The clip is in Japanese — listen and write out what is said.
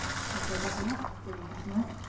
訂正いたします。